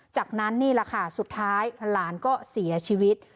จากนั้นนี่แหละค่ะสุดท้ายหลานก็เสียชีวิต